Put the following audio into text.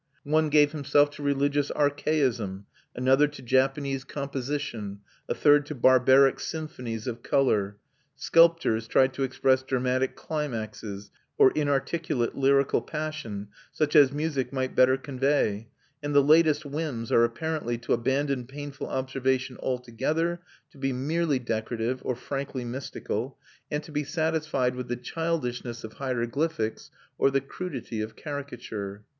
One gave himself to religious archaism, another to Japanese composition, a third to barbaric symphonies of colour; sculptors tried to express dramatic climaxes, or inarticulate lyrical passion, such as music might better convey; and the latest whims are apparently to abandon painful observation altogether, to be merely decorative or frankly mystical, and to be satisfied with the childishness of hieroglyphics or the crudity of caricature.